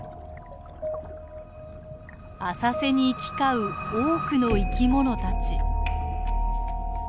浅瀬に行き交う多くの生きものたち。